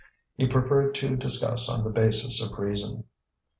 He preferred to discuss on the basis of reason.